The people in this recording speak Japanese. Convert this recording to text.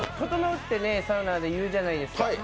ととのうってサウナで言うじゃないですか。